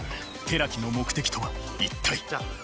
寺木の目的とは一体。